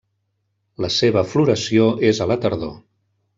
La seva floració és a la tardor.